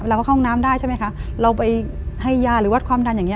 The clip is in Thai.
เราก็เข้าห้องน้ำได้ใช่ไหมคะเราไปให้ยาหรือวัดความดันอย่างนี้